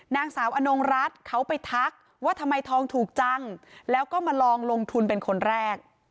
นางสาวอนงรัฐเขาไปทักว่าทำไมทองถูกจังแล้วก็มาลองลงทุนเป็นคนแรก